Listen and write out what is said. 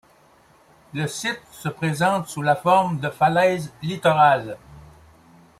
Le site se présente sous la forme de falaises littorales.